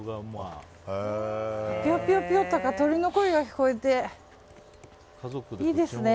ぴよぴよぴよって鳥の声が聞こえていいですね。